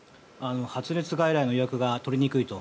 発熱外来の予約が取りにくいと。